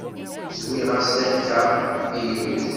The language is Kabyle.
Zwiɣ-as takka i yiwet.